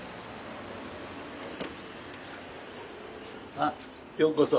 あようこそ。